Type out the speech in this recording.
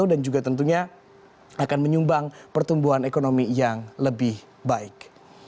dan juga tentunya akan menyumbang pertumbuhan ekonomi yang lebih baik